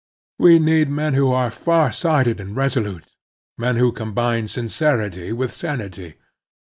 We need men who are far sighted and resolute ; men who combine sincerity with sanity.